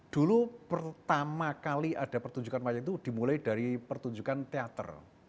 dulu pertama kali ada pertunjukan wayang itu dimulai dari pertunjukan teater